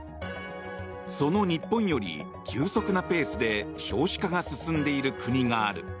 その日本より急速なペースで少子化が進んでいる国がある。